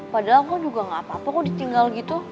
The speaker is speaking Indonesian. padahal aku juga gak apa apa kok ditinggal gitu